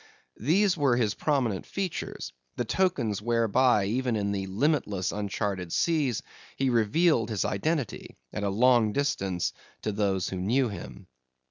These were his prominent features; the tokens whereby, even in the limitless, uncharted seas, he revealed his identity, at a long distance, to those who knew him.